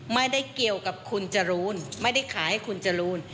ไม่ได้เกี่ยวกับคุณจรูนไม่ได้ขายให้คุณจรูน